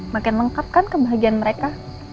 makin lengkap kan kebahagiaan mereka